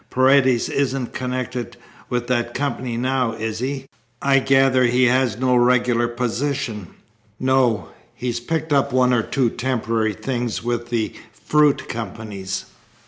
Paredes isn't connected with that company now, is he? I gather he has no regular position." "No. He's picked up one or two temporary things with the fruit companies.